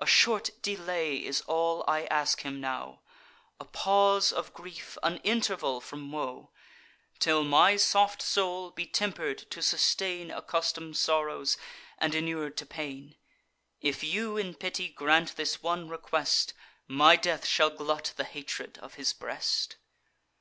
A short delay is all I ask him now; A pause of grief, an interval from woe, Till my soft soul be temper'd to sustain Accustom'd sorrows, and inur'd to pain. If you in pity grant this one request, My death shall glut the hatred of his breast."